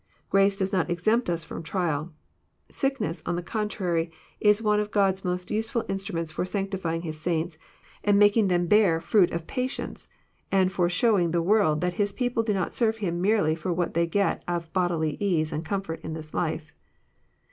Grace does not exempt ns A*om trial. Sickness, on the contrary, is one of God's most useftil instruments for sanctifying His saints, and making them bear fi'uit of patience, and for showing the world that His people do not serve Him merely for what they get of bodily ease and com fort in this life.